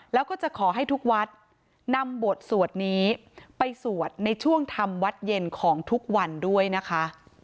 แล้วก็จะขอให้ทุกวัดนำบทสวดนี้ไปสวดในช่วงทำวัดเย็นของทุกวันด้วยนะคะ